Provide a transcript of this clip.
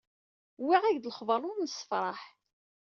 Wwiɣ-ak-d lexbar ur nessefraḥ.